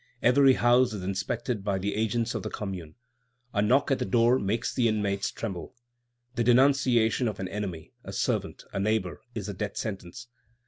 Every house is inspected by the agents of the Commune. A knock at the door makes the inmates tremble. The denunciation of an enemy, a servant, a neighbor, is a death sentence.